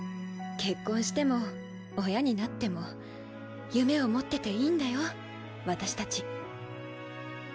結婚しても親になっても夢を持ってていいんだよ私たち。